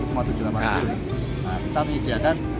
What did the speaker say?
kita akan satu tujuh